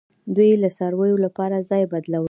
دوی د څارویو لپاره ځای بدلولو